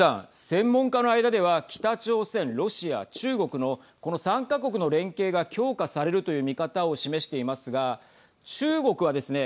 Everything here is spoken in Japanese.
専門家の間では北朝鮮、ロシア中国の、この３か国の連携が強化されるという見方を示していますが中国はですね